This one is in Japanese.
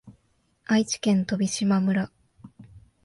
愛知県飛島村